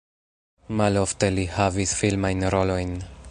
Malofte li havis filmajn rolojn.